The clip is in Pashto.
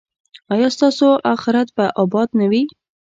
ایا ستاسو اخرت به اباد نه وي؟